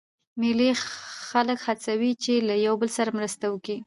مېلې خلک هڅوي، چي له یو بل سره مرسته وکي.